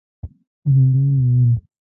په خندا یې ویل.